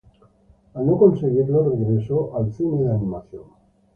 Al no conseguirlo, regresó al cine de animación.